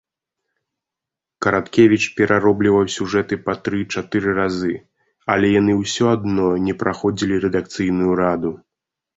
Караткевіч пераробліваў сюжэты па тры-чатыры разы, але яны ўсё адно не праходзілі рэдакцыйную раду.